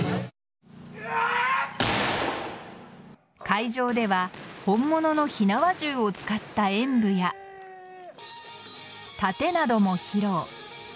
会場では本物の火縄銃を使った演武や殺陣なども披露。